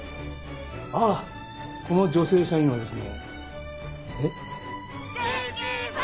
あこの女性社員はですねえっ？